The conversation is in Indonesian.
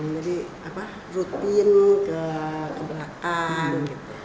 jadi rutin ke belakang